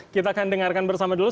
kita akan dengarkan bersama dulu